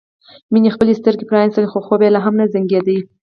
مينې خپلې سترګې پرانيستلې خو خوب یې لا هم زنګېده